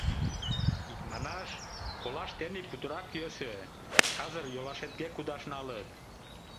Икманаш, колаш тений путырак йӧсӧ, казыр йолашетге кудаш налыт.